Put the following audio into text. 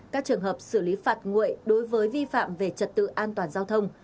các trường hợp xử lý phạt nguội đối với vi phạm về trật tự an toàn giao thông